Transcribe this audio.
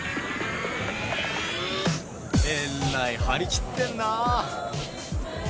えらい張り切ってんな。